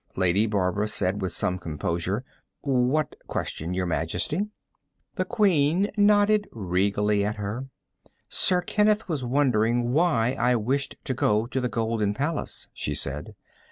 Lady Barbara said, with some composure: "What question ... Your Majesty?" The Queen nodded regally at her. "Sir Kenneth was wondering why I wished to go to the Golden Palace," she said.